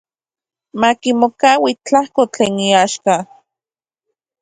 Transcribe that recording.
Makimokaui tlajko tlen iaxka.